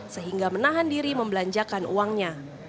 sehingga menahan diri membelanjakan uangnya